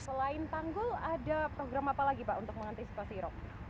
selain tanggul ada program apa lagi pak untuk mengantisipasi rop